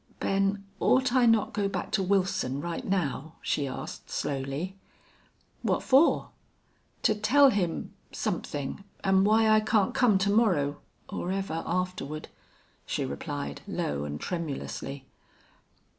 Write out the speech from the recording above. "Ben, ought I not go back to Wilson right now?" she asked, slowly. "What for?" "To tell him something and why I can't come to morrow, or ever afterward," she replied, low and tremulously.